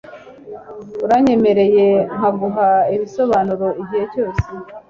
Uranyemereye nkaguha ibisobanuro igihe cyose